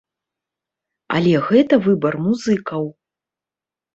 Але гэта выбар музыкаў.